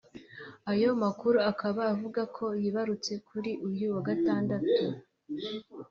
ayo makuru akaba avuga ko yibarutse kuri uyu wa Gatandatu